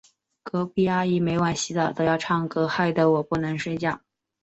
隔壁阿姨每晚洗澡都要唱歌，害得我不能睡觉。